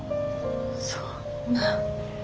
そんな。